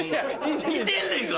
似てんねんから！